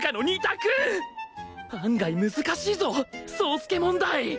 案外難しいぞ宗助問題！